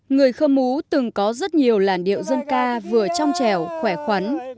người khơ mú từng có rất nhiều làn điệu dân ca vừa trong trèo khỏe khoắn